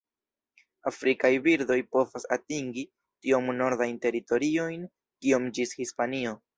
Afrikaj birdoj povas atingi tiom nordajn teritoriojn kiom ĝis Hispanio.